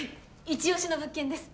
イチ押しの物件です。